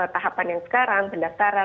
tahapan yang sekarang pendasaran